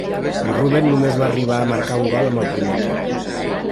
En Rubén només va arribar a marcar un gol amb el primer equip.